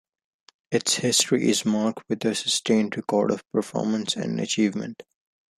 Its history is marked with a sustained record of performance and achievement.